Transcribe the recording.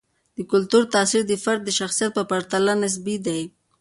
د کلتور تاثیر د فرد د شخصیت په پرتله نسبي دی.